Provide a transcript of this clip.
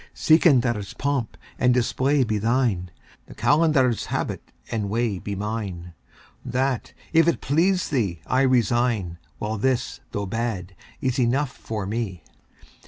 Sikandar's3 pomp and display be thine, the Qalandar's4 habit and way be mine; That, if it please thee, I resign, while this, though bad, is enough for me.